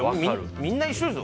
みんな一緒ですよ。